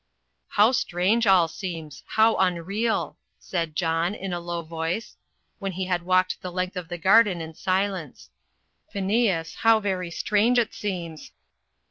"How strange all seems! how unreal!" said John, in a low voice, when he had walked the length of the garden in silence. "Phineas, how very strange it seems!"